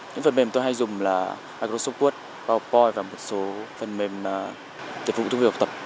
những phần mềm tôi hay dùng là microsoft word powerpoint và một số phần mềm tiệm vụ thông viên học tập